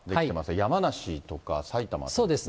山梨とか、埼玉とかですね。